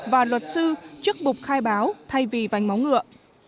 và luật sư trước bục khai báo thay vì vành máu ngựa